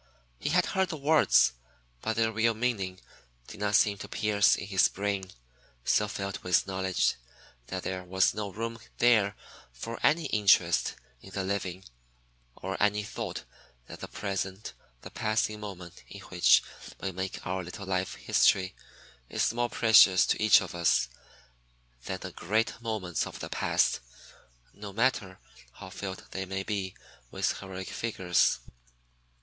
He had heard the words, but their real meaning did not seem to pierce his brain, so filled with knowledge that there was no room there for any interest in the living, or any thought that the present, the passing moment in which we make our little life history, is more precious to each of us then the great moments of the past, no matter how filled they may be with heroic figures.